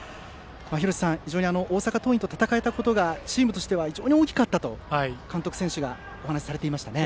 非常に大阪桐蔭と戦えたことがチームとしては大きかったと監督、選手がお話されていました。